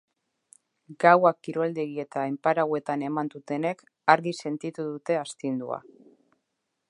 Gaua kiroldegi eta enparauetan eman dutenek argi sentitu dute astindua.